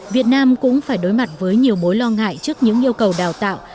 việt nam cũng phải đối mặt với nhiều mối lo ngại trước những yêu cầu đào tạo